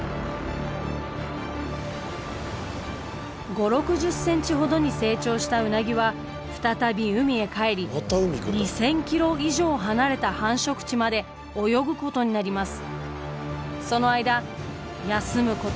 ５０６０ｃｍほどに成長したウナギは再び海へ帰り２，０００ｋｍ以上離れた繁殖地まで泳ぐことになります。